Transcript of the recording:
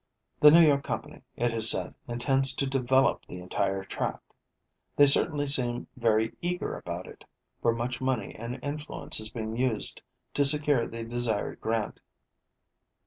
The New York company, it is said, intends to develop the entire tract. They certainly seem very eager about it, for much money and influence is being used to secure the desired grant."